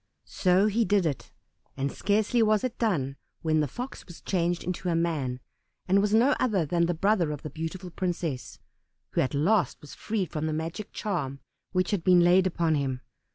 So he did it, and scarcely was it done when the Fox was changed into a man, and was no other than the brother of the beautiful princess, who at last was freed from the magic charm which had been laid upon him.